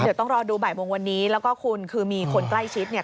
เดี๋ยวต้องรอดูบ่ายโมงวันนี้แล้วก็คุณคือมีคนใกล้ชิดเนี่ย